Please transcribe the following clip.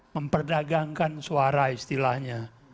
memperdagangkan suara istilahnya